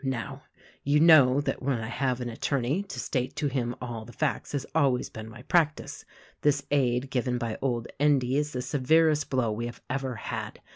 "Now, you know that when I have an attorney, to state to him all the facts has always been my practice. This aid given by old Endy is the severest blow we have ever had.